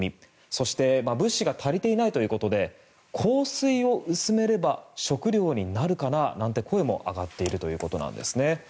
そして、物資が足りていないということで香水を薄めれば食料になるかなという声も上がっているということですね。